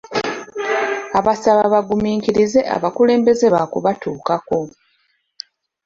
Abasaba bagumiikirize abakulembeze baakubatuukako.